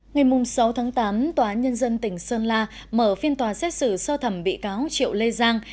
ngày sáu tháng tám tòa nhân dân tỉnh sơn la mở phiên tòa xét xử sơ thẩm bị cáo triệu lê giang